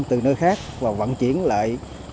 từ nơi khác và vận chuyển lại